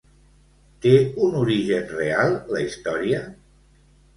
Té un origen real la història?